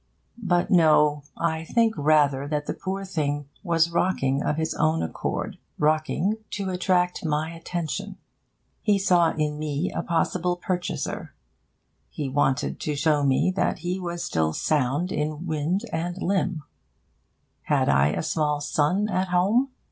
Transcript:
But no, I think rather that the poor thing was rocking of his own accord, rocking to attract my attention. He saw in me a possible purchaser. He wanted to show me that he was still sound in wind and limb. Had I a small son at home?